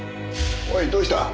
おいどうした？